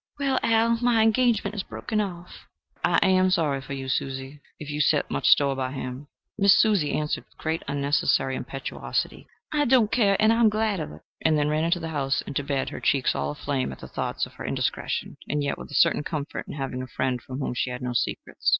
"Well, Al, my engagement is broken off." "I am sorry for you, Susie, if you set much store by him." Miss Susie answered with great and unnecessary impetuosity, "I don't, and I am glad of it!" and then ran into the house and to bed, her cheeks all aflame at the thought of her indiscretion, and yet with a certain comfort in having a friend from whom she had no secrets.